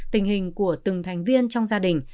tình hình của từng thành viên trong gia đình